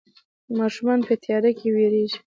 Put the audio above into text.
ماشومان په تياره کې ويرېږي.